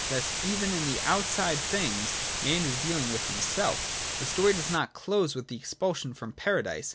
Thus even in these outside things man is dealing with himself The story does not close with the expulsion from Paradise.